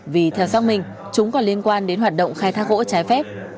vì theo xác mình chúng còn liên quan đến hoạt động khai thác rỗ trái phép